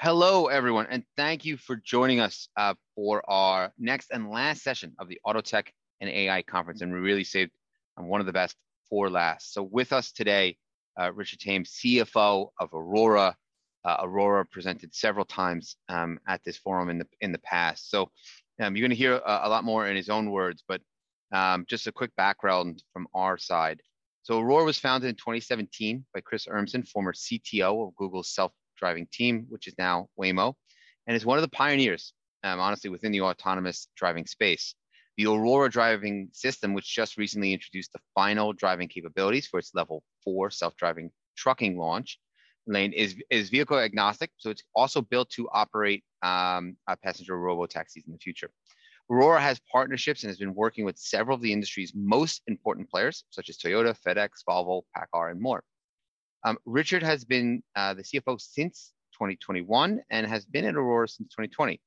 Hello everyone, thank you for joining us for our next and last session of the Auto Tech and AI Conference. We really saved one of the best for last. With us today, Richard Tame, CFO of Aurora. Aurora presented several times at this forum in the past. You're gonna hear a lot more in his own words, but just a quick background from our side. Aurora was founded in 2017 by Chris Urmson, former CTO of Google's self-driving team, which is now Waymo, and is one of the pioneers, honestly, within the autonomous driving space. The Aurora driving system, which just recently introduced the final driving capabilities for its Level 4 self-driving trucking launch, is vehicle-agnostic, so it's also built to operate passenger robotaxis in the future. Aurora has partnerships and has been working with several of the industry's most important players, such as Toyota, FedEx, Volvo, PACCAR, and more. Richard has been the CFO since 2021 and has been at Aurora since 2020.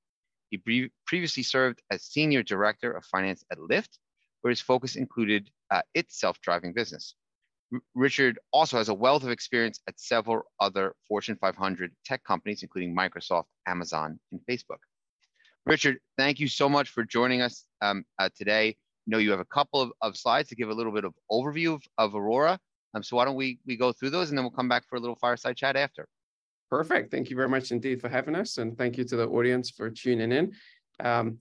He previously served as Senior Director of Finance at Lyft, where his focus included its self-driving business. Richard also has a wealth of experience at several other Fortune 500 tech companies, including Microsoft, Amazon, and Facebook. Richard, thank you so much for joining us today. I know you have a couple of slides to give a little bit of overview of Aurora. Why don't we go through those, and then we'll come back for a little fireside chat after. Perfect. Thank you very much indeed for having us, thank you to the audience for tuning in.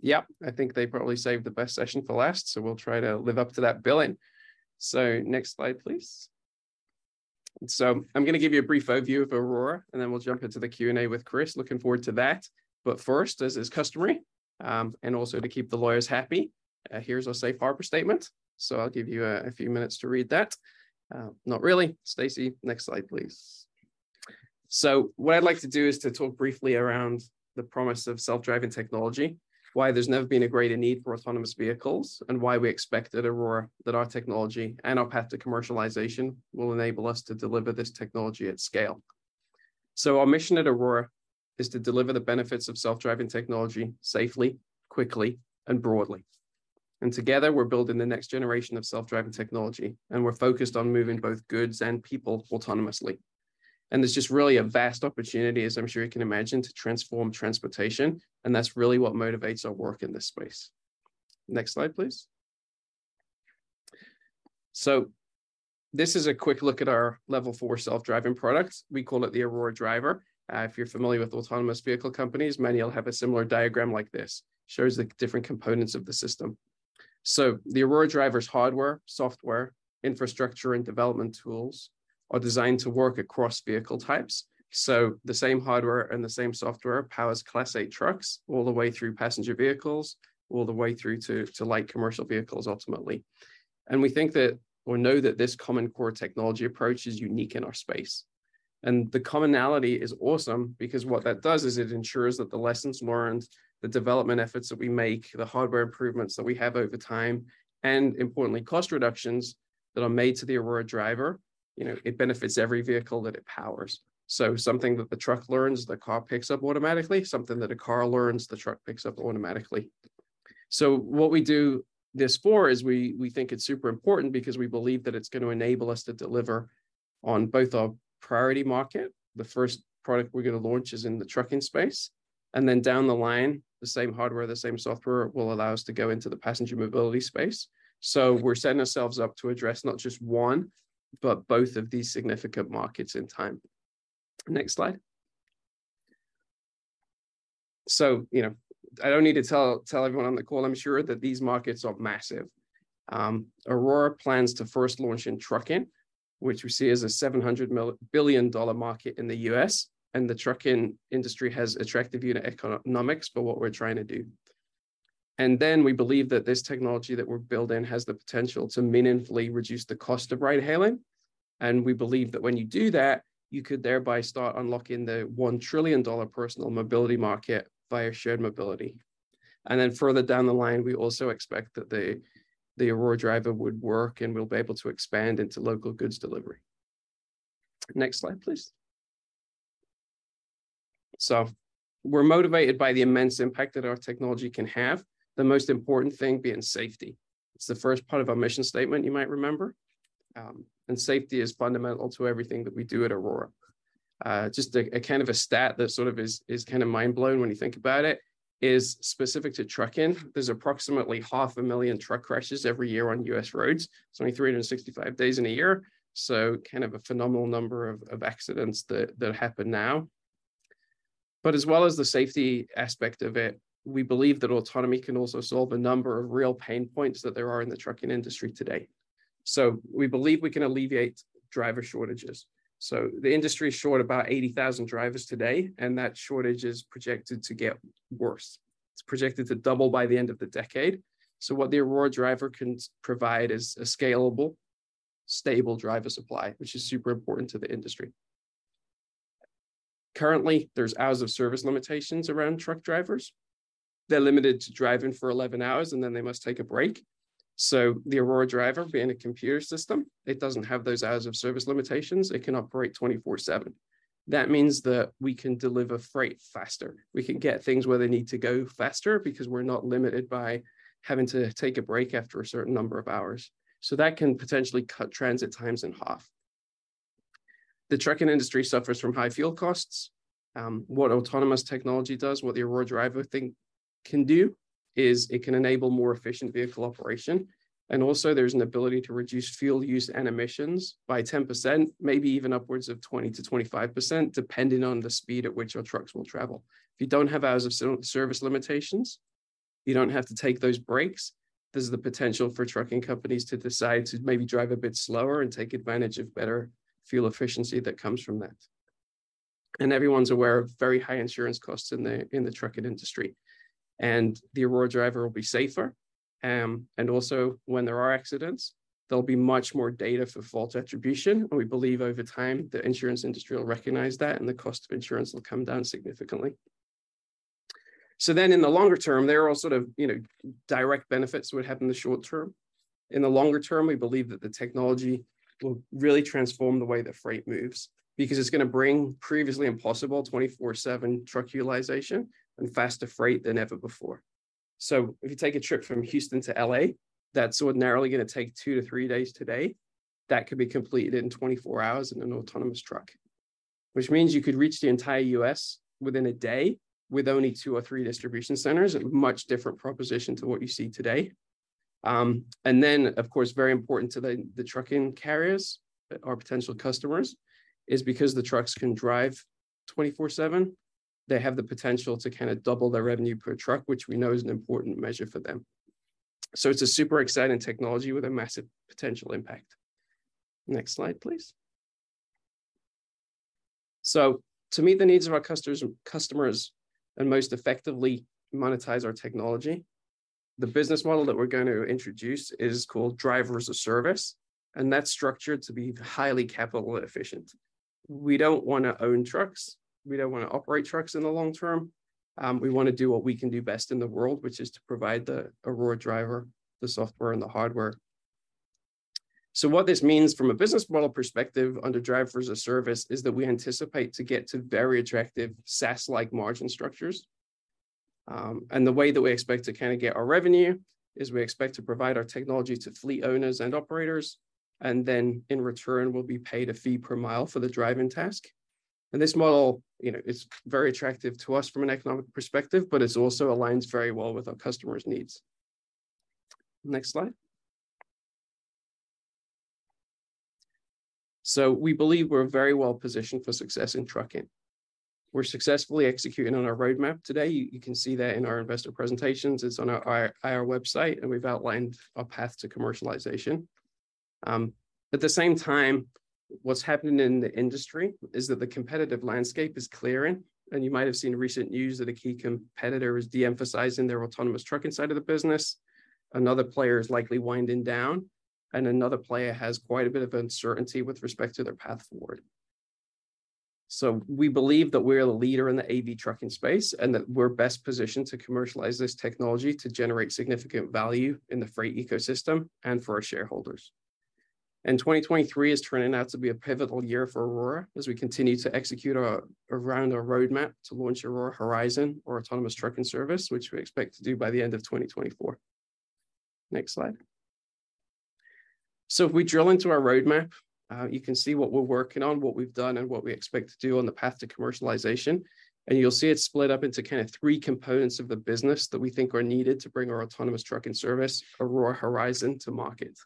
Yeah, I think they probably saved the best session for last, we'll try to live up to that billing. Next slide, please. I'm gonna give you a brief overview of Aurora, then we'll jump into the Q&A with Chris. Looking forward to that. First, as is customary, also to keep the lawyers happy, here's a safe harbor statement. I'll give you a few minutes to read that. Not really. Stacy, next slide, please. What I'd like to do is to talk briefly around the promise of self-driving technology, why there's never been a greater need for autonomous vehicles, and why we expect at Aurora that our technology and our path to commercialization will enable us to deliver this technology at scale. Together, we're building the next generation of self-driving technology, and we're focused on moving both goods and people autonomously. There's just really a vast opportunity, as I'm sure you can imagine, to transform transportation, and that's really what motivates our work in this space. Next slide, please. This is a quick look at our Level 4 self-driving product. We call it the Aurora Driver. If you're familiar with autonomous vehicle companies, many will have a similar diagram like this. It shows the different components of the system. The Aurora Driver's hardware, software, infrastructure, and development tools are designed to work across vehicle types. The same hardware and the same software powers Class 8 trucks, all the way through passenger vehicles, all the way through to light commercial vehicles, ultimately. We think that, or know that this common core technology approach is unique in our space. The commonality is awesome because what that does is it ensures that the lessons learned, the development efforts that we make, the hardware improvements that we have over time, and importantly, cost reductions that are made to the Aurora Driver, you know, it benefits every vehicle that it powers. Something that the truck learns, the car picks up automatically. Something that a car learns, the truck picks up automatically. What we do this for is we think it's super important because we believe that it's going to enable us to deliver on both our priority market, the first product we're going to launch is in the trucking space, and then down the line, the same hardware, the same software will allow us to go into the passenger mobility space. We're setting ourselves up to address not just one, but both of these significant markets in time. Next slide. You know, I don't need to tell everyone on the call, I'm sure, that these markets are massive. Aurora plans to first launch in trucking, which we see as a $700 billion market in the U.S., and the trucking industry has attractive unit economics for what we're trying to do. We believe that this technology that we're building has the potential to meaningfully reduce the cost of ride-hailing. We believe that when you do that, you could thereby start unlocking the $1 trillion Personal Mobility market via shared mobility. Further down the line, we also expect that the Aurora Driver would work, and we'll be able to expand into Local Goods Delivery. Next slide, please. We're motivated by the immense impact that our technology can have, the most important thing being safety. It's the first part of our mission statement, you might remember. Safety is fundamental to everything that we do at Aurora. Just a kind of a stat that sort of is kind of mind-blowing when you think about it, is specific to trucking. There's approximately half a million truck crashes every year on U.S. roads. There's only 365 days in a year, kind of a phenomenal number of accidents that happen now. As well as the safety aspect of it, we believe that autonomy can also solve a number of real pain points that there are in the trucking industry today. We believe we can alleviate driver shortages. The industry is short about 80,000 drivers today, and that shortage is projected to get worse. It's projected to double by the end of the decade. What the Aurora Driver can provide is a scalable, stable driver supply, which is super important to the industry. Currently, there's hours of service limitations around truck drivers. They're limited to driving for 11 hours, and then they must take a break. The Aurora Driver, being a computer system, it doesn't have those hours of service limitations. It can operate 24/7. That means that we can deliver freight faster. We can get things where they need to go faster because we're not limited by having to take a break after a certain number of hours. That can potentially cut transit times in half. The trucking industry suffers from high fuel costs. What autonomous technology does, what the Aurora Driver thing can do, is it can enable more efficient vehicle operation. Also, there's an ability to reduce fuel use and emissions by 10%, maybe even upwards of 20%-25%, depending on the speed at which our trucks will travel. If you don't have hours of service limitations, you don't have to take those breaks, there's the potential for trucking companies to decide to maybe drive a bit slower and take advantage of better fuel efficiency that comes from that. Everyone's aware of very high insurance costs in the, in the trucking industry, and the Aurora Driver will be safer. And also, when there are accidents, there'll be much more data for fault attribution, and we believe over time, the insurance industry will recognize that, and the cost of insurance will come down significantly. In the longer term, there are all sort of, you know, direct benefits that would happen in the short term. In the longer term, we believe that the technology will really transform the way that freight moves, because it's gonna bring previously impossible 24/7 truck utilization and faster freight than ever before. If you take a trip from Houston to L.A., that's ordinarily gonna take two to three days today. That could be completed in 24 hours in an autonomous truck, which means you could reach the entire U.S. within a day with only two or three distribution centers. A much different proposition to what you see today. Then, of course, very important to the trucking carriers, our potential customers, is because the trucks can drive 24/7, they have the potential to kind of double their revenue per truck, which we know is an important measure for them. It's a super exciting technology with a massive potential impact. Next slide, please. To meet the needs of our customers, and most effectively monetize our technology, the business model that we're going to introduce is called Driver as a Service, and that's structured to be highly capital efficient. We don't want to own trucks. We don't want to operate trucks in the long term. We want to do what we can do best in the world, which is to provide the Aurora Driver, the software and the hardware. What this means from a business model perspective under Driver as a Service, is that we anticipate to get to very attractive SaaS-like margin structures. The way that we expect to kind of get our revenue is we expect to provide our technology to fleet owners and operators, and then, in return, we'll be paid a fee per mile for the driving task. This model, you know, is very attractive to us from an economic perspective, but it also aligns very well with our customers' needs. Next slide. We believe we're very well positioned for success in trucking. We're successfully executing on our roadmap today. You can see that in our investor presentations. It's on our IR website, and we've outlined our path to commercialization. At the same time, what's happening in the industry is that the competitive landscape is clearing, and you might have seen recent news that a key competitor is de-emphasizing their autonomous trucking side of the business. Another player is likely winding down, and another player has quite a bit of uncertainty with respect to their path forward. We believe that we're the leader in the AV trucking space, and that we're best positioned to commercialize this technology to generate significant value in the freight ecosystem and for our shareholders. 2023 is turning out to be a pivotal year for Aurora as we continue to execute around our roadmap to launch Aurora Horizon, our autonomous trucking service, which we expect to do by the end of 2024. Next slide. If we drill into our roadmap, you can see what we're working on, what we've done, and what we expect to do on the path to commercialization. You'll see it split up into kind of three components of the business that we think are needed to bring our autonomous trucking service, Aurora Horizon, to market.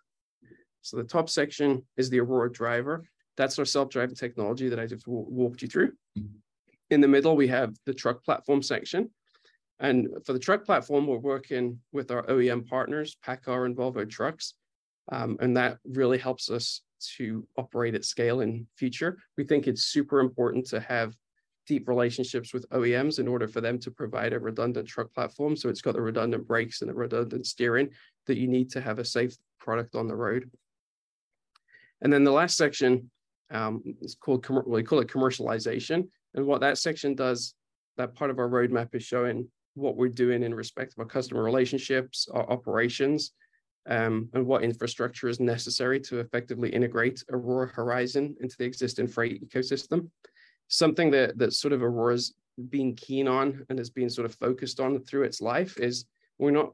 The top section is the Aurora Driver. That's our self-driving technology that I just walked you through. In the middle, we have the truck platform section, and for the truck platform, we're working with our OEM partners, PACCAR and Volvo Trucks, and that really helps us to operate at scale in future. We think it's super important to have deep relationships with OEMs in order for them to provide a redundant truck platform, so it's got the redundant brakes and the redundant steering that you need to have a safe product on the road. The last section, we call it commercialization, and what that section does, that part of our roadmap, is showing what we're doing in respect of our customer relationships, our operations, and what infrastructure is necessary to effectively integrate Aurora Horizon into the existing freight ecosystem. Something that sort of Aurora's been keen on and has been sort of focused on through its life is we're not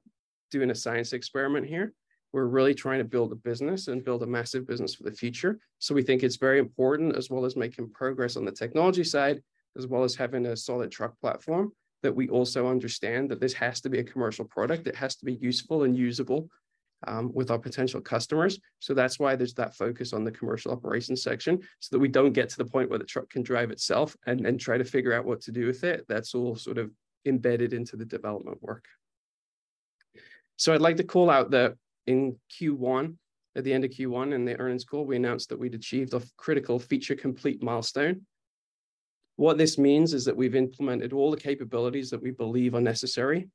doing a science experiment here. We're really trying to build a business and build a massive business for the future. We think it's very important, as well as making progress on the technology side, as well as having a solid truck platform, that we also understand that this has to be a commercial product. It has to be useful and usable with our potential customers. That's why there's that focus on the commercial operations section, so that we don't get to the point where the truck can drive itself and then try to figure out what to do with it. That's all sort of embedded into the development work. I'd like to call out that in Q1, at the end of Q1, in the earnings call, we announced that we'd achieved a critical Feature Complete milestone. What this means is that we've implemented all the capabilities that we believe are necessary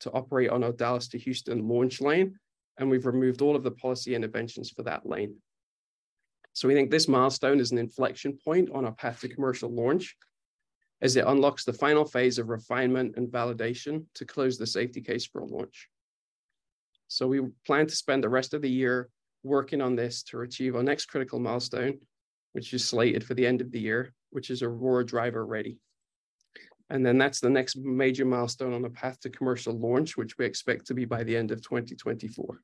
to operate on our Dallas to Houston launch lane, and we've removed all of the policy interventions for that lane. We think this milestone is an inflection point on our path to commercial launch, as it unlocks the final phase of refinement and validation to close the Safety Case for our launch. We plan to spend the rest of the year working on this to achieve our next critical milestone, which is slated for the end of the year, which is Aurora Driver Ready. That's the next major milestone on the path to commercial launch, which we expect to be by the end of 2024.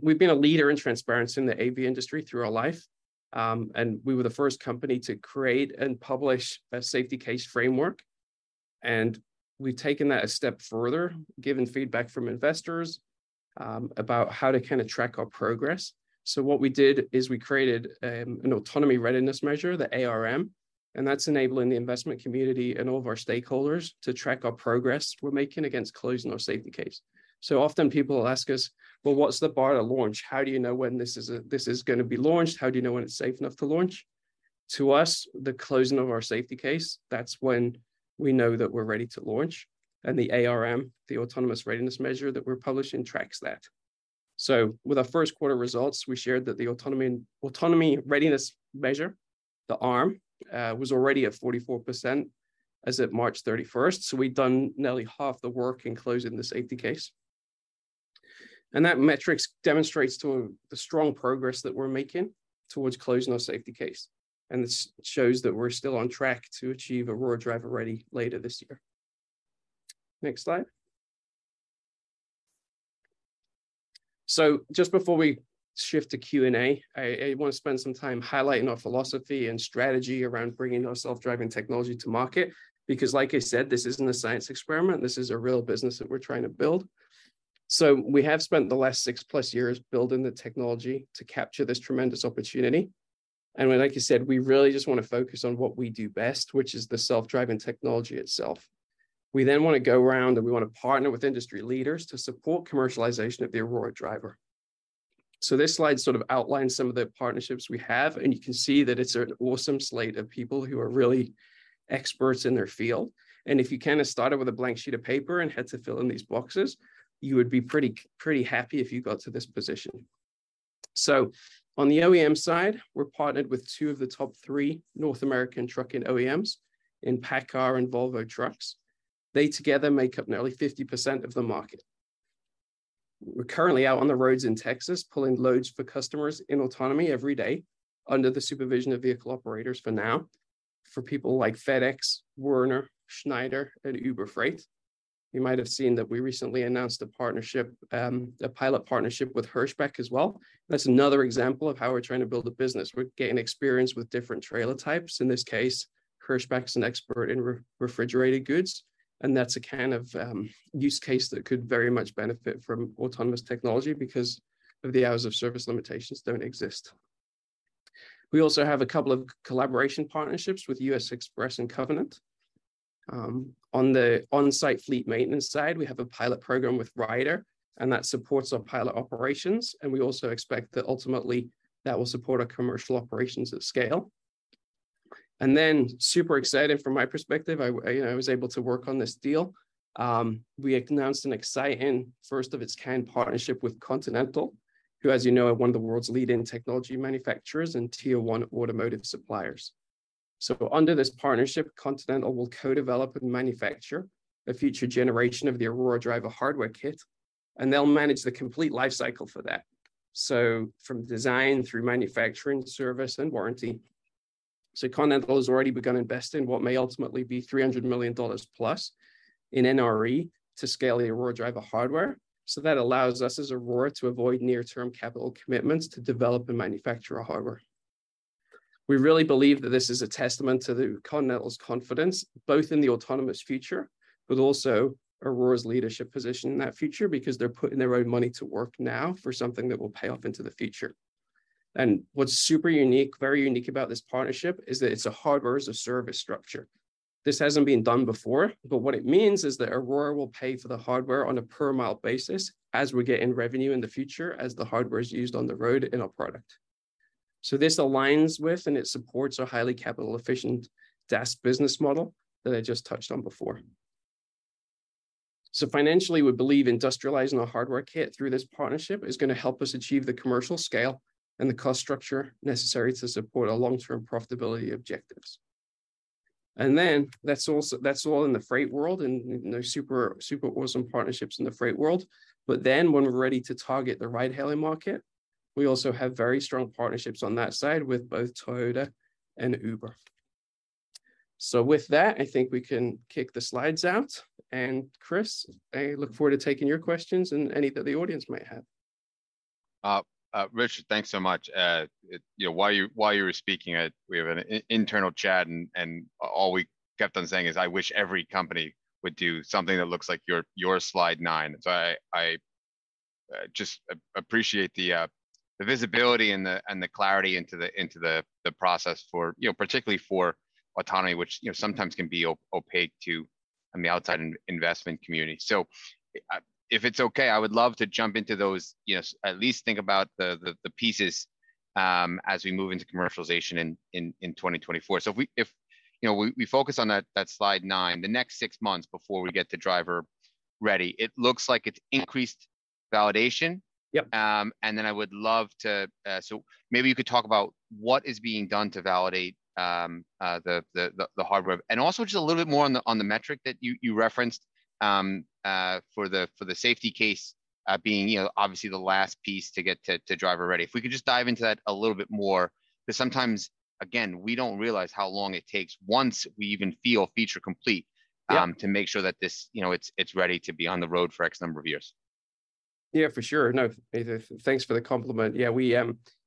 We've been a leader in transparency in the AV industry through our life. We were the first company to create and publish a Safety Case framework, and we've taken that a step further, given feedback from investors, about how to kind of track our progress. What we did is we created, an Autonomy Readiness Measure, the ARM, and that's enabling the investment community and all of our stakeholders to track our progress we're making against closing our Safety Case. Often people ask us: "Well, what's the bar to launch? How do you know when this is gonna be launched? How do you know when it's safe enough to launch?" To us, the closing of our Safety Case, that's when we know that we're ready to launch. The ARM, the Autonomy Readiness Measure that we're publishing, tracks that. With our first quarter results, we shared that the Autonomy Readiness Measure, the ARM, was already at 44% as of March 31st, 2023. We've done nearly half the work in closing the Safety Case. That metrics demonstrates to the strong progress that we're making towards closing our Safety Case, and this shows that we're still on track to achieve Aurora Driver Ready later this year. Next slide. Just before we shift to Q&A, I want to spend some time highlighting our philosophy and strategy around bringing our self-driving technology to market, because, like I said, this isn't a science experiment. This is a real business that we're trying to build. We have spent the last six-plus years building the technology to capture this tremendous opportunity. Like I said, we really just want to focus on what we do best, which is the self-driving technology itself. We want to go around, and we want to partner with industry leaders to support commercialization of the Aurora Driver. This slide sort of outlines some of the partnerships we have, and you can see that it's an awesome slate of people who are really experts in their field. If you kind of started with a blank sheet of paper and had to fill in these boxes, you would be pretty happy if you got to this position. On the OEM side, we're partnered with two of the top three North American trucking OEMs in PACCAR and Volvo Trucks. They together make up nearly 50% of the market. We're currently out on the roads in Texas, pulling loads for customers in autonomy every day under the supervision of vehicle operators for now, for people like FedEx, Werner, Schneider, and Uber Freight. You might have seen that we recently announced a partnership, a pilot partnership with Hirschbach as well. That's another example of how we're trying to build a business. We're getting experience with different trailer types. In this case, Hirschbach's an expert in refrigerated goods, and that's a kind of use case that could very much benefit from autonomous technology because of the hours of service limitations don't exist. We also have a couple of collaboration partnerships with U.S. Xpress and Covenant. On the on-site fleet maintenance side, we have a pilot program with Ryder, that supports our pilot operations, we also expect that ultimately that will support our commercial operations at scale. Super exciting from my perspective, I, you know, I was able to work on this deal. We announced an exciting first-of-its-kind partnership with Continental, who, as you know, are one of the world's leading technology manufacturers and Tier 1 automotive suppliers. Under this partnership, Continental will co-develop and manufacture a future generation of the Aurora Driver hardware kit, they'll manage the complete life cycle for that. From design through manufacturing, service, and warranty. Continental has already begun investing what may ultimately be $300 million plus in NRE to scale the Aurora Driver hardware. That allows us as Aurora to avoid near-term capital commitments to develop and manufacture our hardware. We really believe that this is a testament to the Continental's confidence, both in the autonomous future, but also Aurora's leadership position in that future because they're putting their own money to work now for something that will pay off into the future. What's super unique, very unique about this partnership, is that it's a Hardware as a Service structure. This hasn't been done before, but what it means is that Aurora will pay for the hardware on a per-mile basis as we get in revenue in the future, as the hardware is used on the road in our product. This aligns with and it supports our highly capital-efficient SaaS business model that I just touched on before. Financially, we believe industrializing our hardware kit through this partnership is gonna help us achieve the commercial scale and the cost structure necessary to support our long-term profitability objectives. that's all in the freight world, and, you know, super awesome partnerships in the freight world. When we're ready to target the ride-hailing market, we also have very strong partnerships on that side with both Toyota and Uber. With that, I think we can kick the slides out, and, Chris, I look forward to taking your questions and any that the audience might have. Richard, thanks so much. You know, while you were speaking, we have an internal chat, and all we kept on saying is, "I wish every company would do something that looks like your slide nine" I appreciate the visibility and the clarity into the process for, you know, particularly for autonomy, which, you know, sometimes can be opaque to the outside investment community. If it's okay, I would love to jump into those, you know, at least think about the pieces as we move into commercialization in 2024. If we focus on that slide nine, the next six months before we get the Driver Ready, it looks like it's increased validation. Yep. Then I would love to. Maybe you could talk about what is being done to validate the hardware. Also just a little bit more on the metric that you referenced for the Safety Case, being, you know, obviously the last piece to get to Driver Ready. If we could just dive into that a little bit more, because sometimes, again, we don't realize how long it takes once we even feel Feature Complete... Yeah to make sure that this, you know, it's ready to be on the road for X number of years. Yeah, for sure. No, thanks for the compliment. Yeah, we,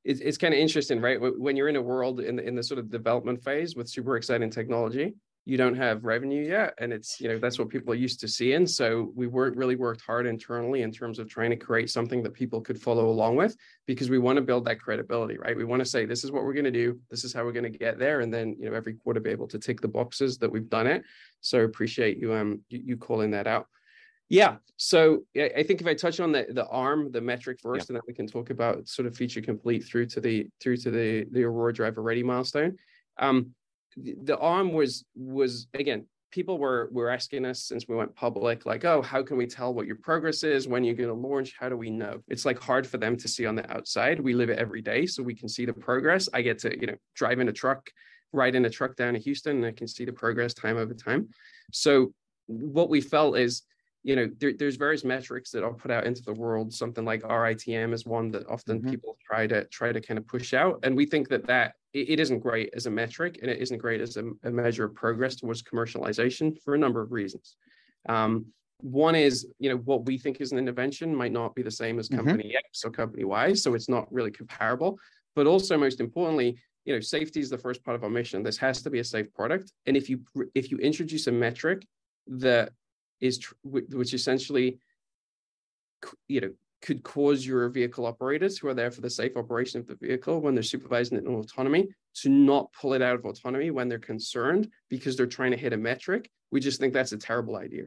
it's kind of interesting, right? When you're in a world in the sort of development phase with super exciting technology, you don't have revenue yet, and it's Yeah you know, that's what people are used to seeing. We worked, really worked hard internally in terms of trying to create something that people could follow along with, because we wanna build that credibility, right? We wanna say, "This is what we're gonna do. This is how we're gonna get there," and then, you know, every quarter be able to tick the boxes that we've done it. Appreciate you calling that out. Yeah, I think if I touch on the ARM, the metric first. Yeah Then we can talk about sort of Feature Complete through to the Aurora Driver Ready milestone. The ARM was, again, people were asking us since we went public, like, "Oh, how can we tell what your progress is? When are you gonna launch? How do we know?" It's like hard for them to see on the outside. We live it every day, so we can see the progress. I get to, you know, drive in a truck, ride in a truck down to Houston, and I can see the progress time over time. What we felt is, you know, there's various metrics that are put out into the world, something like RITM is one that. Mm-hmm often people try to kinda push out. We think that, it isn't great as a metric, and it isn't great as a measure of progress towards commercialization for a number of reasons. One is, you know, what we think is an intervention might not be the same. Mm-hmm Company X or Company Y, so it's not really comparable. Also, most importantly, you know, safety is the first part of our mission. This has to be a safe product, and if you introduce a metric that is which essentially, you know, could cause your vehicle operators, who are there for the safe operation of the vehicle when they're supervising it in autonomy, to not pull it out of autonomy when they're concerned because they're trying to hit a metric, we just think that's a terrible idea.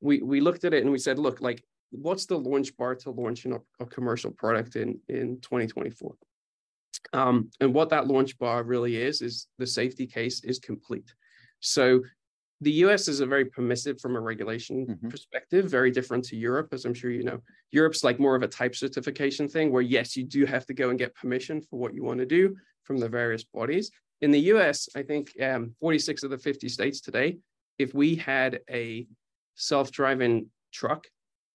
We, we looked at it and we said, "Look, like, what's the launch bar to launching a commercial product in 2024?" What that launch bar really is the Safety Case is complete. The U.S. is a very permissive from a regulation perspective. Mm-hmm... very different to Europe, as I'm sure you know. Europe's, like, more of a type certification thing, where, yes, you do have to go and get permission for what you wanna do from the various bodies. In the U.S., I think, 46 of the 50 states today, if we had a self-driving truck,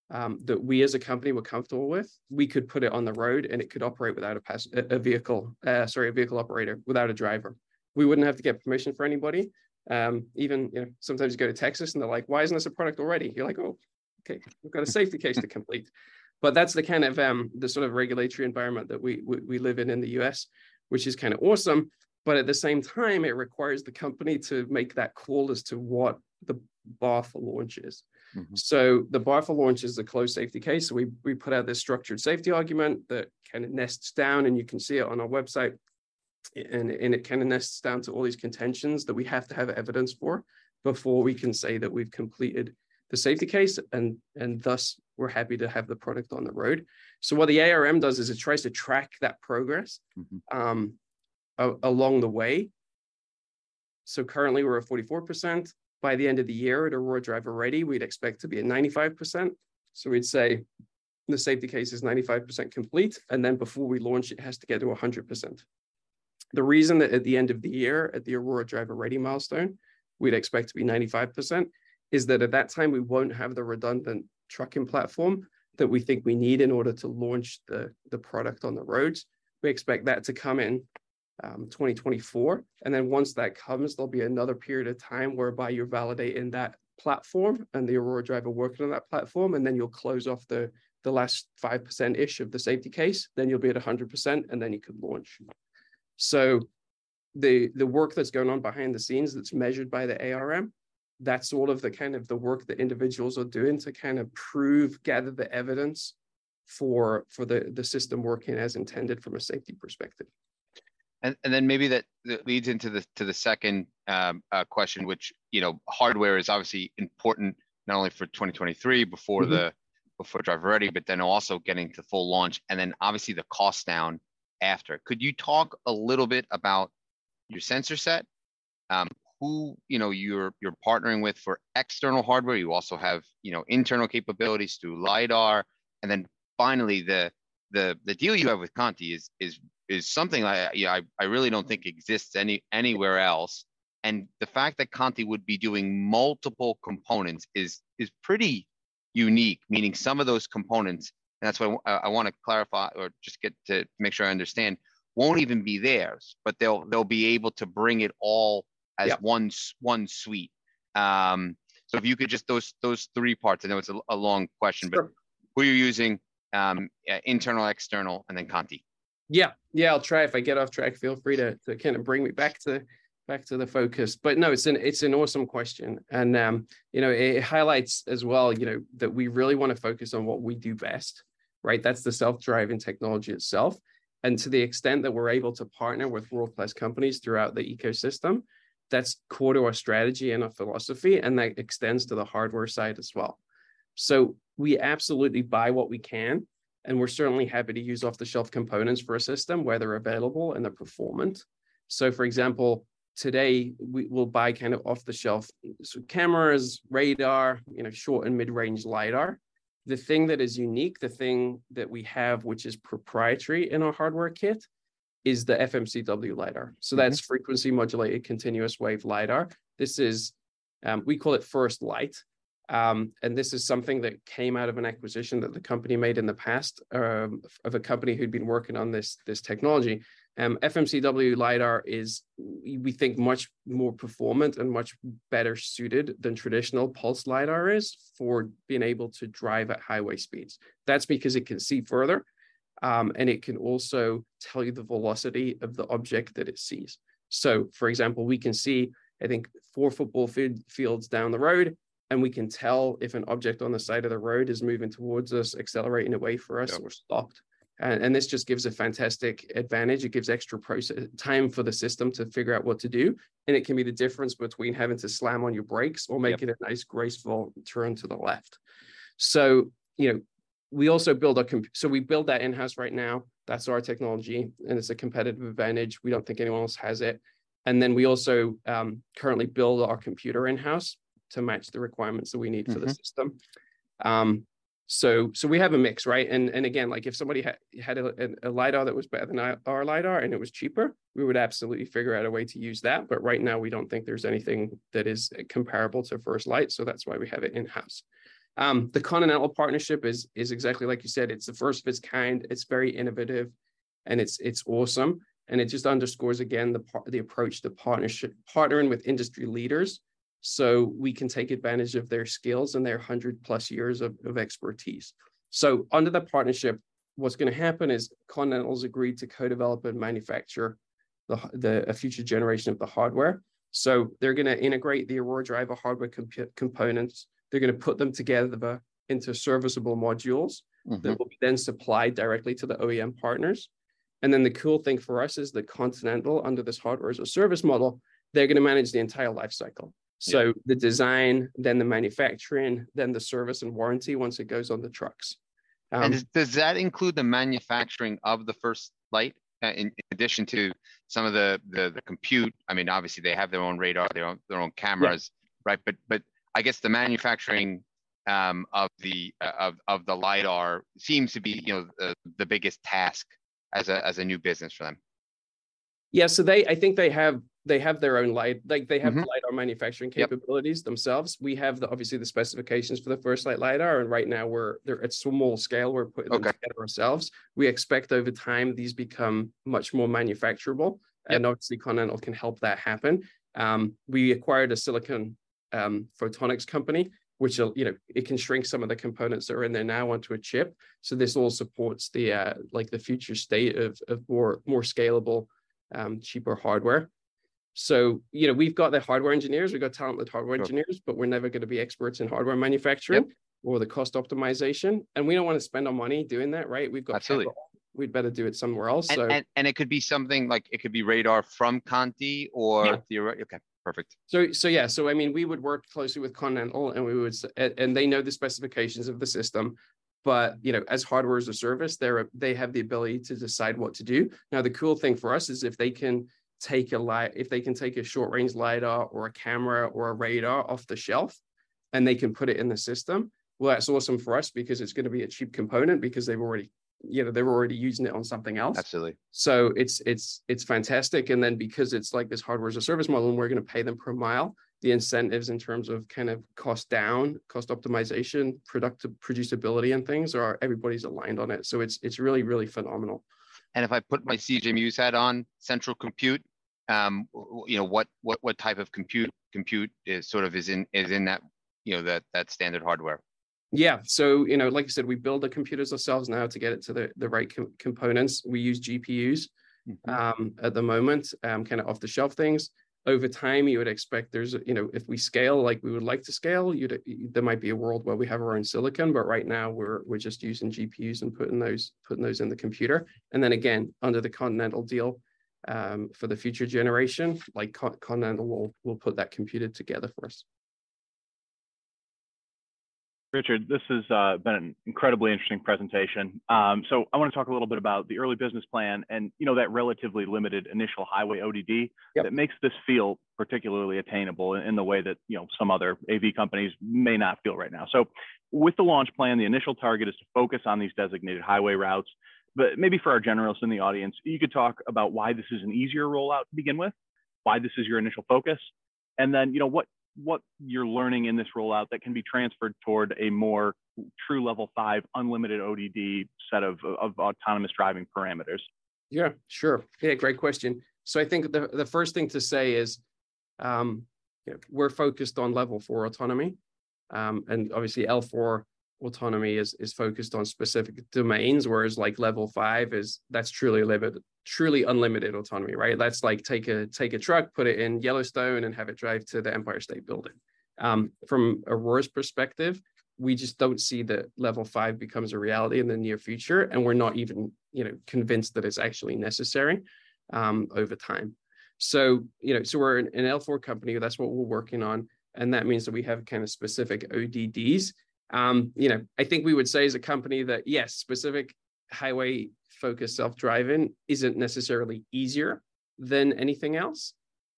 that we as a company were comfortable with, we could put it on the road, and it could operate without a vehicle operator. Without a driver. We wouldn't have to get permission from anybody, even, you know, sometimes you go to Texas and they're like, "Why isn't this a product already?" You're like, "Oh, okay, we've got a Safety Case to complete." That's the kind of, the sort of regulatory environment that we live in in the U.S., which is kind of awesome, but at the same time, it requires the company to make that call as to what the bar for launch is. Mm-hmm. The bar for launch is the closed Safety Case. We put out this structured safety argument that kind of nests down, and you can see it on our website, and it kinda nests down to all these contentions that we have to have evidence for before we can say that we've completed the Safety Case, and thus, we're happy to have the product on the road. What the ARM does is it tries to track that progress- Mm-hmm... along the way. Currently, we're at 44%. By the end of the year, at Aurora Driver Ready, we'd expect to be at 95%. We'd say the Safety Case is 95% complete. Before we launch, it has to get to 100%. The reason that at the end of the year, at the Aurora Driver Ready milestone, we'd expect to be 95%, is that at that time, we won't have the redundant truck platform that we think we need in order to launch the product on the roads. We expect that to come in 2024. Once that comes, there'll be another period of time whereby you're validating that platform and the Aurora Driver working on that platform. You'll close off the last 5%-ish of the Safety Case. You'll be at 100%. You can launch. The work that's going on behind the scenes, that's measured by the ARM, that's all of the work that individuals are doing to prove, gather the evidence for the system working as intended from a safety perspective. Maybe that leads into the second question, which, you know, hardware is obviously important, not only for 2023. Mm-hmm... before Driver Ready, also getting to full launch, obviously the cost down after. Could you talk a little bit about your sensor set? Who, you know, you're partnering with for external hardware. You also have, you know, internal capabilities through Lidar. Finally, the deal you have with Continental is something I, you know, I really don't think exists anywhere else. The fact that Continental would be doing multiple components is pretty unique, meaning some of those components, and that's why I want to clarify or just get to make sure I understand, won't even be theirs, but they'll be able to bring it all-... Yeah... as one one suite. if you could just, those three parts, I know it's a long question... Sure Who are you using, internal, external, and then Continental? Yeah, I'll try. If I get off track, feel free to kinda bring me back to the focus. No, it's an awesome question, and, you know, it highlights as well, you know, that we really wanna focus on what we do best, right? That's the self-driving technology itself, and to the extent that we're able to partner with world-class companies throughout the ecosystem, that's core to our strategy and our philosophy, and that extends to the hardware side as well. We absolutely buy what we can, and we're certainly happy to use off-the-shelf components for a system, where they're available and they're performant. For example, today, we'll buy kind of off-the-shelf, so cameras, radar, you know, short- and mid-range Lidar. The thing that is unique, the thing that we have, which is proprietary in our hardware kit, is the FMCW Lidar. Mm-hmm. That's Frequency Modulated Continuous Wave Lidar. We call it FirstLight. This is something that came out of an acquisition that the company made in the past of a company who'd been working on this technology. FMCW Lidar is, we think, much more performant and much better suited than traditional pulsed Lidar is for being able to drive at highway speeds. That's because it can see further, it can also tell you the velocity of the object that it sees. For example, we can see, I think, four football fields down the road, and we can tell if an object on the side of the road is moving towards us, accelerating away from us. Yeah or stopped. This just gives a fantastic advantage. It gives extra time for the system to figure out what to do, and it can be the difference between having to slam on your brakes. Yep... or making a nice, graceful turn to the left. You know, we also build that in-house right now. That's our technology. It's a competitive advantage. We don't think anyone else has it. We also currently build our computer in-house to match the requirements that we need for the system. Mm-hmm. We have a mix, right? Again, like, if somebody had a Lidar that was better than our Lidar and it was cheaper, we would absolutely figure out a way to use that. Right now, we don't think there's anything that is comparable to FirstLight, so that's why we have it in-house. The Continental partnership is exactly like you said, it's the first of its kind, it's very innovative, and it's awesome. It just underscores, again, the approach, the partnership, partnering with industry leaders so we can take advantage of their skills and their 100-plus years of expertise. Under the partnership, what's gonna happen is Continental's agreed to co-develop and manufacture the, a future generation of the hardware. They're gonna integrate the Aurora Driver hardware components. They're gonna put them together into serviceable modules. Mm-hmm... that will be then supplied directly to the OEM partners. The cool thing for us is that Continental, under this Hardware as a Service model, they're gonna manage the entire life cycle. Yeah. The design, then the manufacturing, then the service and warranty once it goes on the trucks. Does that include the manufacturing of the FirstLight, in addition to some of the compute? I mean, obviously they have their own radar, their own cameras. Yeah. Right, I guess the manufacturing of the Lidar seems to be, you know, the biggest task as a new business for them. Yeah. I think they have their own. Mm-hmm. Like, they have Lidar manufacturing capabilities themselves. Yep. We have the, obviously the specifications for the FirstLight Lidar. Right now they're at small scale. We're putting them. Okay together ourselves. We expect over time, these become much more manufacturable. Yeah. Obviously, Continental can help that happen. We acquired a silicon photonics company, which will, you know, it can shrink some of the components that are in there now onto a chip. This all supports the, like, the future state of more scalable, cheaper hardware. You know, we've got the hardware engineers, we've got talented hardware engineers. Sure We're never gonna be experts in hardware manufacturing. Yep... or the cost optimization. We don't want to spend our money doing that, right? Absolutely... we'd better do it somewhere else, so. it could be something like, it could be radar from Continental. Yeah. Okay, perfect. Yeah. I mean, we would work closely with Continental, and we would and they know the specifications of the system. You know, as Hardware as a Service, they have the ability to decide what to do. The cool thing for us is if they can take a short-range Lidar or a camera or a radar off the shelf, and they can put it in the system, well, that's awesome for us because it's gonna be a cheap component because they've already, you know, they were already using it on something else. Absolutely. It's fantastic. Because it's like this Hardware as a Service model and we're gonna pay them per mile, the incentives in terms of kind of cost down, cost optimization, producibility and things are, everybody's aligned on it. It's really phenomenal. If I put my CCU hat on, central compute, you know, what type of compute is sort of in that, you know, that standard hardware? Yeah. you know, like I said, we build the computers ourselves now to get it to the right components. We use GPUs at the moment, kind of off-the-shelf things. Over time, you would expect there's, you know, if we scale like we would like to scale, you'd, there might be a world where we have our own silicon, but right now we're just using GPUs and putting those in the computer. Again, under the Continental deal, for the future generation, like, Continental will put that computer together for us. Richard, this has been an incredibly interesting presentation. I want to talk a little bit about the early business plan and, you know, that relatively limited initial highway ODD. Yep... that makes this feel particularly attainable in the way that, you know, some other AV companies may not feel right now. With the launch plan, the initial target is to focus on these designated highway routes. Maybe for our generals in the audience, you could talk about why this is an easier rollout to begin with, why this is your initial focus, you know, what you're learning in this rollout that can be transferred toward a more true Level 5 unlimited ODD set of autonomous driving parameters. Yeah, sure. Yeah, great question. I think the first thing to say is, you know, we're focused on Level 4 autonomy, and obviously L4 autonomy is focused on specific domains, whereas, like, Level 5 is, that's truly unlimited autonomy, right? That's like, take a truck, put it in Yellowstone, and have it drive to the Empire State Building. From Aurora's perspective, we just don't see that Level 5 becomes a reality in the near future, and we're not even, you know, convinced that it's actually necessary over time. You know, so we're an L4 company. That's what we're working on, and that means that we have kind of specific ODDs. You know, I think we would say as a company that, yes, specific highway-focused self-driving isn't necessarily easier than anything else....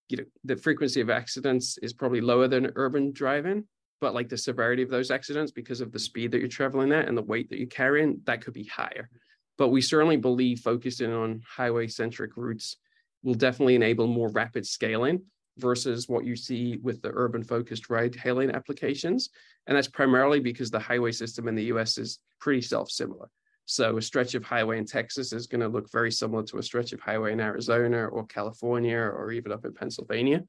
you know, the frequency of accidents is probably lower than urban driving, but, like, the severity of those accidents, because of the speed that you're traveling at and the weight that you're carrying, that could be higher. We certainly believe focusing on highway-centric routes will definitely enable more rapid scaling versus what you see with the urban-focused ride-hailing applications, that's primarily because the highway system in the U.S. is pretty self-similar. A stretch of highway in Texas is gonna look very similar to a stretch of highway in Arizona, or California, or even up in Pennsylvania.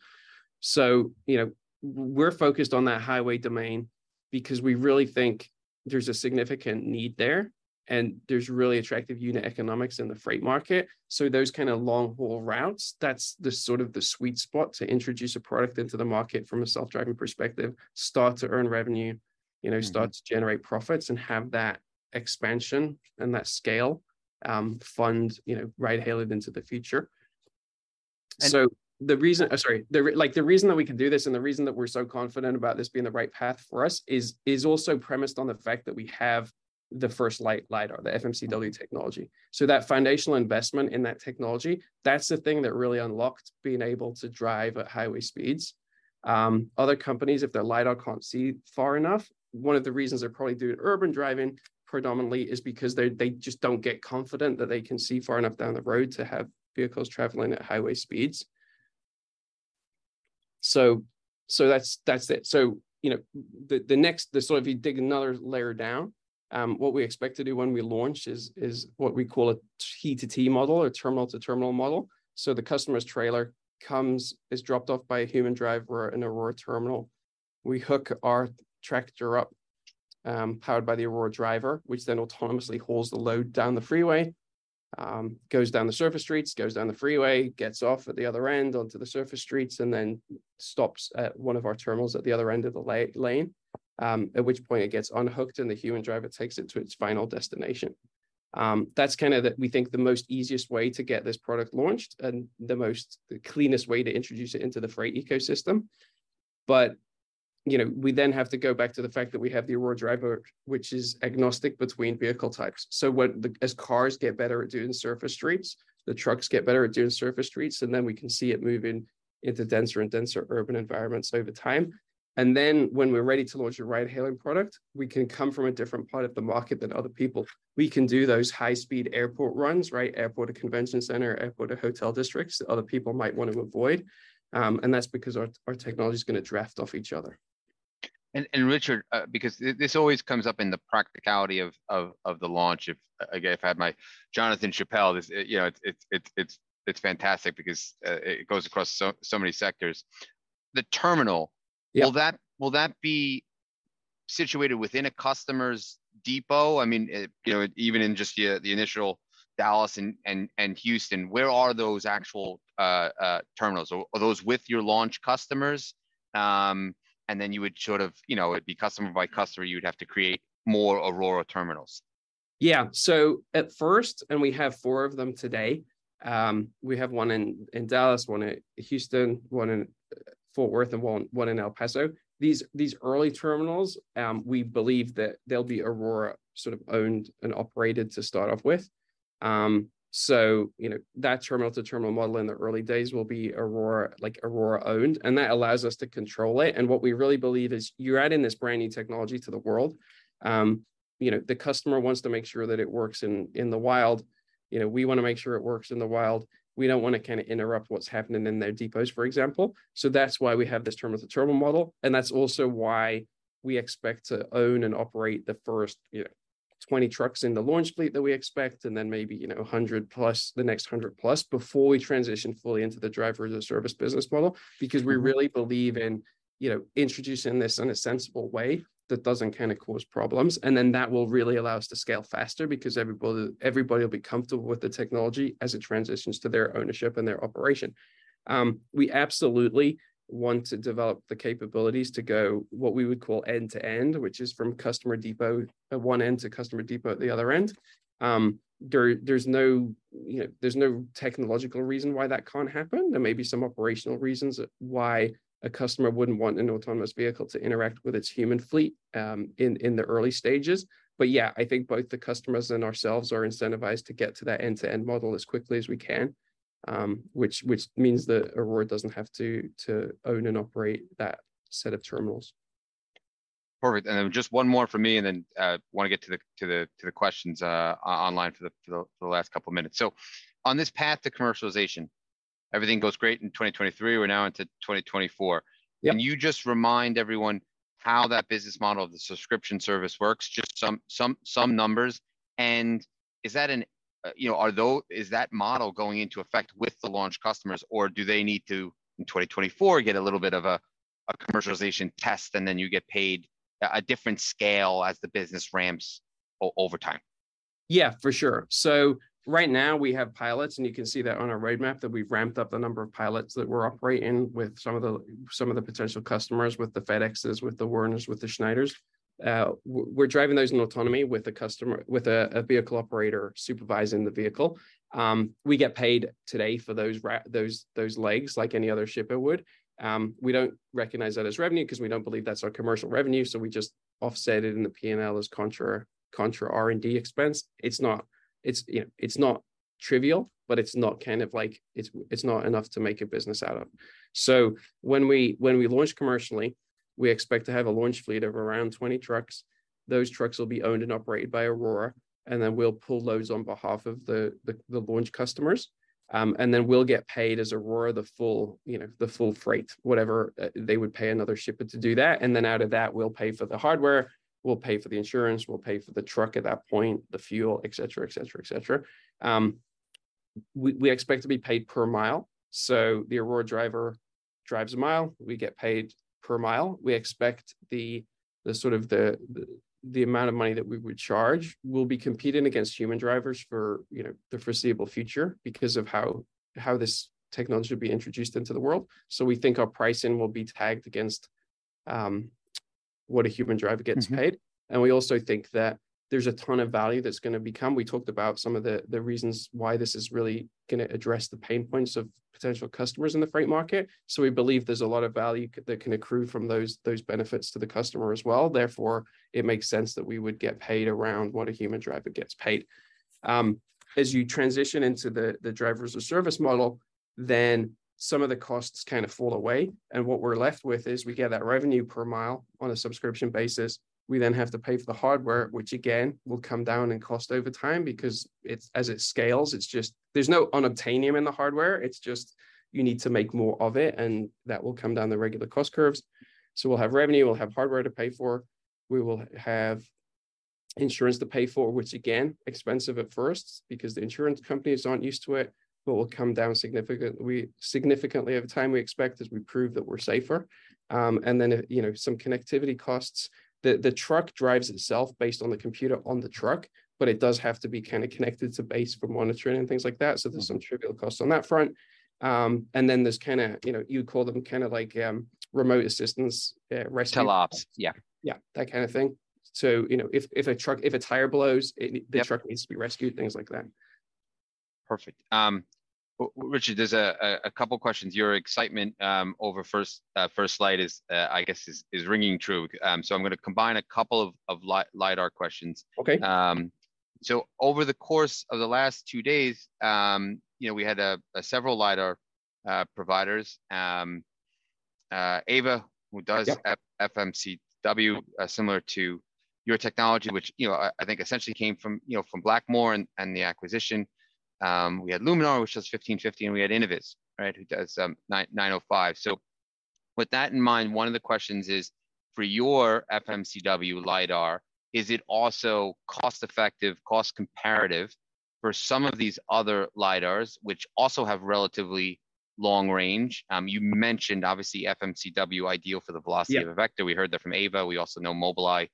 you know, we're focused on that highway domain because we really think there's a significant need there, and there's really attractive unit economics in the freight market. Those kind of long-haul routes, that's the sort of the sweet spot to introduce a product into the market from a self-driving perspective. Start to earn revenue, you know. Mm-hmm... start to generate profits, and have that expansion and that scale, fund, you know, ride-hailing into the future. And- The reason that we can do this, and the reason that we're so confident about this being the right path for us is also premised on the fact that we have the FirstLight Lidar, the FMCW technology. That foundational investment in that technology, that's the thing that really unlocked being able to drive at highway speeds. Other companies, if their Lidar can't see far enough, one of the reasons they're probably doing urban driving predominantly is because they just don't get confident that they can see far enough down the road to have vehicles travelling at highway speeds. That's, that's it. You know, the next. If you dig another layer down, what we expect to do when we launch is what we call a T-to-T model or terminal-to-terminal model. The customer's trailer comes, is dropped off by a human driver at an Aurora terminal. We hook our tractor up, powered by the Aurora Driver, which then autonomously hauls the load down the freeway. Goes down the surface streets, goes down the freeway, gets off at the other end onto the surface streets, and then stops at one of our terminals at the other end of the lane. At which point it gets unhooked, and the human driver takes it to its final destination. That's kind of the, we think, the most easiest way to get this product launched and the cleanest way to introduce it into the freight ecosystem. You know, we then have to go back to the fact that we have the Aurora Driver, which is agnostic between vehicle types. When the, as cars get better at doing surface streets, the trucks get better at doing surface streets, we can see it moving into denser and denser urban environments over time. When we're ready to launch a ride-hailing product, we can come from a different part of the market than other people. We can do those high-speed airport runs, right? Airport to convention center, airport to hotel districts that other people might want to avoid. That's because our technology is gonna draft off each other. Richard, because this always comes up in the practicality of the launch. If, again, if I had my Jonathan Chappell, this, you know, it's fantastic because it goes across so many sectors. The terminal- Yeah ... will that be situated within a customer's depot? I mean, you know, even in just the initial Dallas and Houston, where are those actual terminals? Are those with your launch customers? Then you would sort of, you know, it'd be customer by customer, you'd have to create more Aurora terminals. Yeah. At first, we have four of them today, we have one in Dallas, one in Houston, one in Fort Worth, and one in El Paso. These early terminals, we believe that they'll be Aurora sort of owned and operated to start off with. you know, that terminal-to-terminal model in the early days will be Aurora, like, Aurora-owned, and that allows us to control it. What we really believe is, you're adding this brand-new technology to the world, you know, the customer wants to make sure that it works in the wild. You know, we wanna make sure it works in the wild. We don't wanna kind of interrupt what's happening in their depots, for example. That's why we have this terminal-to-terminal model, and that's also why we expect to own and operate the first, you know, 20 trucks in the launch fleet that we expect, and then maybe, you know, 100+, the next 100+, before we transition fully into the Driver as a Service business model. Mm-hmm. We really believe in, you know, introducing this in a sensible way that doesn't kind of cause problems, and then that will really allow us to scale faster because everybody will be comfortable with the technology as it transitions to their ownership and their operation. We absolutely want to develop the capabilities to go what we would call end-to-end, which is from customer depot at one end to customer depot at the other end. There's no, you know, there's no technological reason why that can't happen. There may be some operational reasons why a customer wouldn't want an autonomous vehicle to interact with its human fleet in the early stages. Yeah, I think both the customers and ourselves are incentivized to get to that end-to-end model as quickly as we can. Which means that Aurora doesn't have to own and operate that set of terminals. Perfect. Just one more from me, and then, I wanna get to the questions online for the last couple of minutes. On this path to commercialization, everything goes great in 2023, we're now into 2024. Yep. Can you just remind everyone how that business model of the subscription service works? Just some, some numbers. You know, is that model going into effect with the launch customers, or do they need to, in 2024, get a little bit of a commercialization test, and then you get paid at a different scale as the business ramps over time? Yeah, for sure. Right now, we have pilots, and you can see that on our roadmap, that we've ramped up the number of pilots that we're operating with some of the, some of the potential customers, with the FedExes, with the Werners, with the Schneiders. We're driving those in autonomy with a customer, with a vehicle operator supervising the vehicle. We get paid today for those legs, like any other shipper would. We don't recognize that as revenue, 'cause we don't believe that's our commercial revenue, so we just offset it in the P&L as contra R&D expense. It's, you know, it's not trivial, but it's not kind of like, it's not enough to make a business out of. When we, when we launch commercially, we expect to have a launch fleet of around 20 trucks. Those trucks will be owned and operated by Aurora, we'll pull loads on behalf of the launch customers. We'll get paid as Aurora, the full, you know, the full freight, whatever they would pay another shipper to do that. Out of that, we'll pay for the hardware, we'll pay for the insurance, we'll pay for the truck at that point, the fuel, et cetera, et cetera, et cetera. We expect to be paid per mile, the Aurora Driver drives a mile, we get paid per mile. We expect the sort of the amount of money that we would charge, we'll be competing against human drivers for, you know, the foreseeable future because of how this technology will be introduced into the world. we think our pricing will be tagged against, what a human driver gets paid. Mm-hmm. We also think that there's a ton of value that's gonna be come. We talked about some of the reasons why this is really gonna address the pain points of potential customers in the freight market. We believe there's a lot of value that can accrue from those benefits to the customer as well. Therefore, it makes sense that we would get paid around what a human driver gets paid. As you transition into the Driver as a Service model, some of the costs kind of fall away, and what we're left with is we get that revenue per mile on a subscription basis. We then have to pay for the hardware, which again, will come down in cost over time because it's, as it scales, it's just... There's no unobtainium in the hardware, it's just you need to make more of it, and that will come down the regular cost curves. We'll have revenue, we'll have hardware to pay for, we will have insurance to pay for, which again, expensive at first because the insurance companies aren't used to it. Will come down significantly over time, we expect, as we prove that we're safer. You know, some connectivity costs. The truck drives itself based on the computer on the truck, but it does have to be kind of connected to base for monitoring and things like that. Mm. There's some trivial costs on that front. And then there's kind of, you know, you call them kind of like, remote assistance, rescue-. Teleops. Yeah. Yeah, that kind of thing. You know, if a truck, if a tire blows... Yep... the truck needs to be rescued, things like that. Perfect. Richard, there's a couple questions. Your excitement over FirstLight is I guess ringing true. I'm gonna combine a couple of Lidar questions. Okay. Over the course of the last two days, you know, we had a several Lidar providers. Aeva. Yep... FMCW, similar to your technology, which, you know, I think essentially came from, you know, from Blackmore and the acquisition. We had Luminar, which does 1550, and we had Innoviz, right? Who does 905. With that in mind, one of the questions is, for your FMCW Lidar, is it also cost-effective, cost comparative for some of these other Lidars, which also have relatively long range? You mentioned obviously FMCW ideal for the velocity of a vector. Yeah. We heard that from Aeva. We also know Mobileye.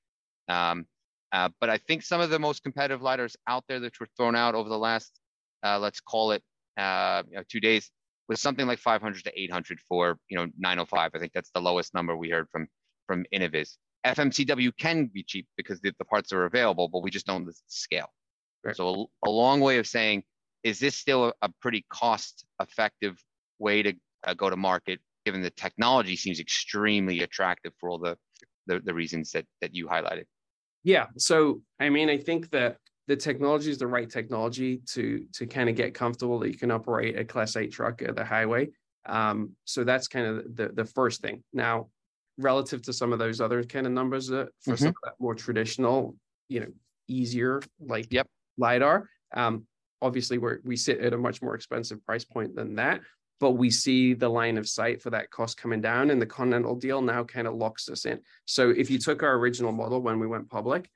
I think some of the most competitive Lidars out there that were thrown out over the last, let's call it, you know, two days, was something like $500-$800 for, you know, 905. I think that's the lowest number we heard from Innoviz. FMCW can be cheap because the parts are available, but we just don't scale. Right. A long way of saying, is this still a pretty cost-effective way to go to market, given the technology seems extremely attractive for all the reasons that you highlighted? Yeah. I mean, I think that the technology is the right technology to kind of get comfortable that you can operate a Class 8 truck on the highway. That's kind of the first thing. Now, relative to some of those other kind of numbers- Mm-hmm... for some of that more traditional, you know, easier, like- Yep... Lidar, obviously we sit at a much more expensive price point than that. We see the line of sight for that cost coming down. The Continental deal now kind of locks us in. If you took our original model when we went public,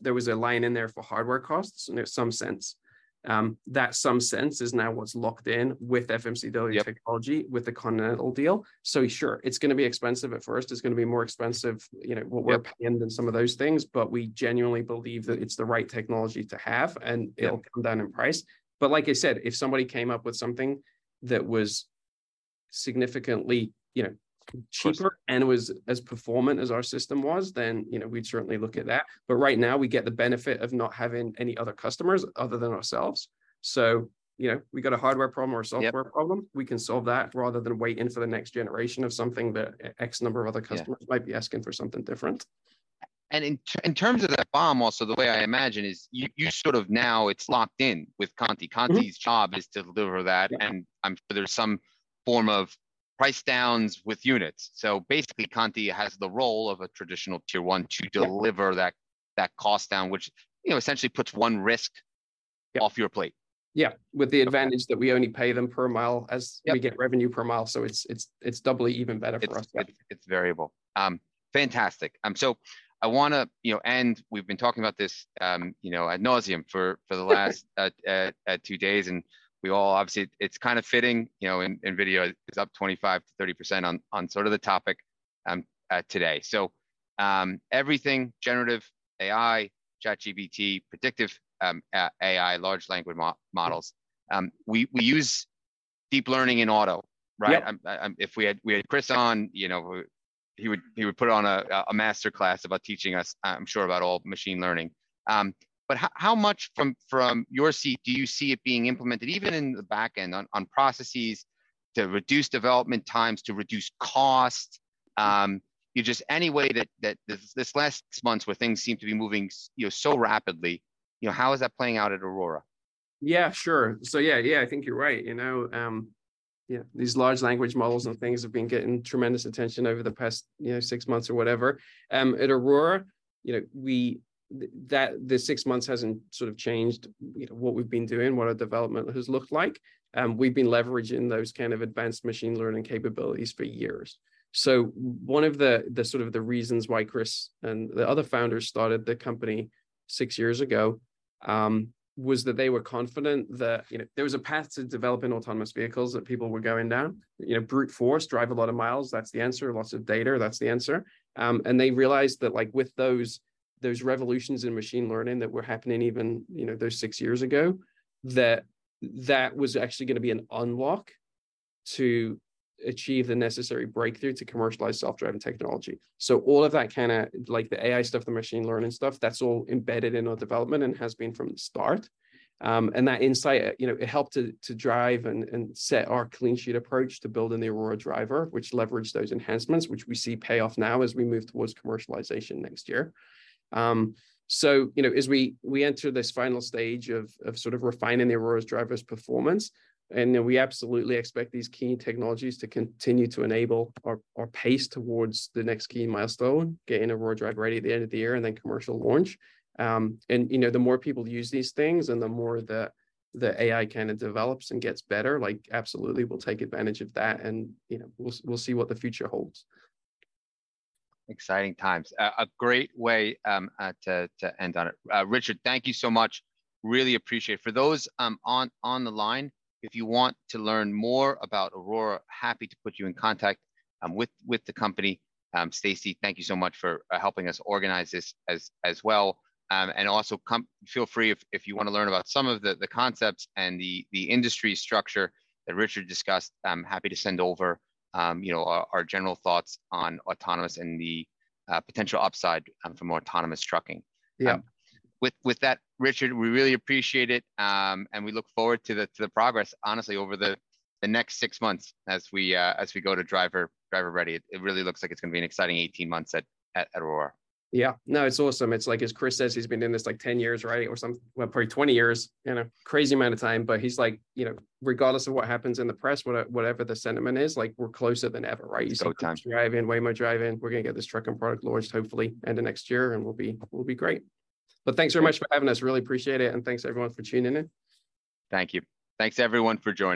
there was a line in there for hardware costs. There's some sense. That some sense is now what's locked in with FMCW technology. Yep... with the Continental deal. Sure, it's gonna be expensive at first, it's gonna be more expensive, you know. Yep... paying than some of those things, but we genuinely believe that it's the right technology to have. Yeah... it'll come down in price. Like I said, if somebody came up with something that was significantly, you know, cheaper. Right... and was as performant as our system was, then, you know, we'd certainly look at that. Right now, we get the benefit of not having any other customers other than ourselves. You know, we've got a hardware problem or a software problem. Yep we can solve that rather than waiting for the next generation of something that a X number of other customers- Yeah... might be asking for something different. In terms of the BOM, also, the way I imagine is you sort of now it's locked in with Continental. Mm-hmm. Continental's job is to deliver that. Yeah... and I'm sure there's some form of price downs with units. Basically, Continental has the role of a traditional Tier 1. Yep... to deliver that cost down, which, you know, essentially puts one. Yep off your plate. Yeah, with the advantage that we only pay them per mile. Yep... we get revenue per mile. it's doubly even better for us. It's variable. Fantastic. I wanna, you know, we've been talking about this, you know, ad nauseam for two days. We all obviously, it's kind of fitting, you know, NVIDIA is up 25%-30% on sort of the topic today. Everything Generative AI, ChatGPT, Predictive AI. Yep... models, we use deep learning in Aurora, right? Yep. I, if we had Chris on- Yep... you know, he would put on a master class about teaching us, I'm sure, about all machine learning. How much from your seat do you see it being implemented, even in the back end, on processes to reduce development times, to reduce cost? You just any way that this last six months where things seem to be moving, you know, so rapidly, you know, how is that playing out at Aurora? Yeah, sure. Yeah, yeah, I think you're right. You know, yeah, these Large Language Models and things have been getting tremendous attention over the past, you know, six months or whatever. At Aurora, you know, the six months hasn't sort of changed, you know, what we've been doing, what our development has looked like. We've been leveraging those kind of advanced machine learning capabilities for years. One of the sort of the reasons why Chris and the other founders started the company six years ago, was that they were confident that, you know, there was a path to developing autonomous vehicles that people were going down. You know, brute force, drive a lot of miles, that's the answer. Lots of data, that's the answer. They realized that, like, with those revolutions in machine learning that were happening even, you know, those six years ago, that that was actually gonna be an unlock to achieve the necessary breakthrough to commercialize self-driving technology. All of that kinda, like, the AI stuff, the machine learning stuff, that's all embedded in our development and has been from the start. That insight, you know, it helped to drive and set our clean sheet approach to building the Aurora Driver, which leveraged those enhancements, which we see pay off now as we move towards commercialization next year. You know, as we enter this final stage of refining the Aurora Driver's performance. Then we absolutely expect these key technologies to continue to enable our pace towards the next key milestone, getting Aurora Driver Ready at the end of the year and then commercial launch. You know, the more people use these things, and the more the AI kind of develops and gets better, like, absolutely we'll take advantage of that, and, you know, we'll see what the future holds. Exciting times. A great way to end on it. Richard, thank you so much. Really appreciate. For those on the line, if you want to learn more about Aurora, happy to put you in contact with the company. Stacy, thank you so much for helping us organize this as well. Also, feel free if you wanna learn about some of the concepts and the industry structure that Richard discussed, I'm happy to send over, you know, our general thoughts on autonomous and the potential upside for more autonomous trucking. Yeah. With that, Richard, we really appreciate it. We look forward to the progress, honestly, over the next six months as we go to Driver Ready. It really looks like it's gonna be an exciting 18 months at Aurora. Yeah. No, it's awesome. It's like, as Chris says, he's been in this, like, 10 years, right? Or well, probably 20 years, you know. Crazy amount of time, but he's like, "You know, regardless of what happens in the press, whatever the sentiment is, like, we're closer than ever," right? All the time. You see Cruise driving, Waymo driving. We're gonna get this truck and product launched hopefully end of next year, and we'll be great. Thanks very much for having us. Really appreciate it, and thanks, everyone, for tuning in. Thank you. Thanks, everyone, for joining.